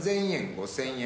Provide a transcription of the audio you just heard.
５，０００円。